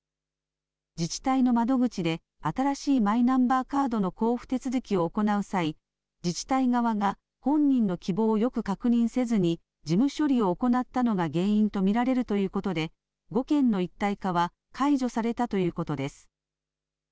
自治体の窓口で新しいマイナンバーカードの交付手続きを行う際自治体側が本人の希望をよく確認せずに事務処理を行ったのが原因と見られるということで５件の一体化は解除されたということです。